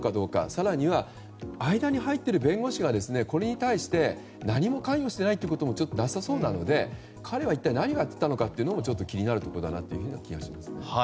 更には、間に入っている弁護士がこれに対して何も関与していないこともちょっとなさそうなので彼は一体何をやっていたのかも気になるところだなという気がします。